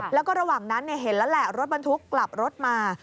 แล้วก็ระหว่างนั้นเห็นแล้วแหละรถบรรทุกกลับรถมา